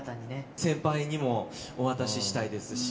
先輩にもお渡ししたいですし。